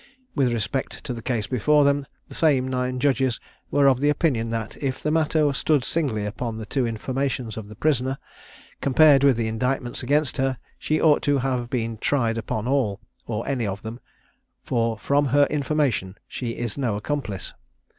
With respect to the case before them, the same nine judges were of opinion that if the matter stood singly upon the two informations of the prisoner, compared with the indictments against her, she ought to have been tried upon all, or any of them, for from her information she is no accomplice.